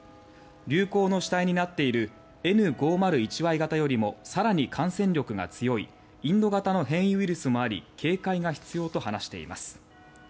流行の主体となっているＮ５０１Ｙ型よりも更に感染力が強いインド型の変異ウイルスもあり警戒が必要と話しています。